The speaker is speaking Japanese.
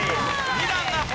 ２段アップ！